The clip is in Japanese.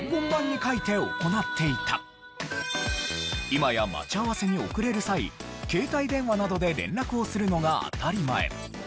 今や待ち合わせに遅れる際携帯電話などで連絡をするのが当たり前。